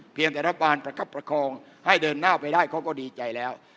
รัฐบาลประคับประคองให้เดินหน้าไปได้เขาก็ดีใจแล้ว